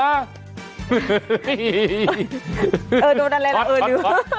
เออโดนอะไรล่ะเออดิว